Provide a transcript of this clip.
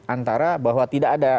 antara bahwa tidak ada